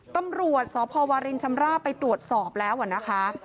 ตำรวจสพวารินชำราบไปตรวจสอบแล้วนะคะ